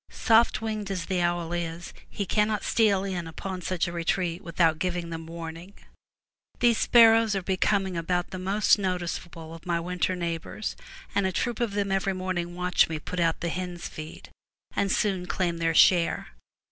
Soft winged as the owl is, he cannot steal in upon such a retreat without giving them warning. These sparrows are becoming about the most noticeable of my 258 FROM THE TOWER WINDOW winter neighbors, and a troop of them every morning watch me put out the hens' feed, and soon claim their share.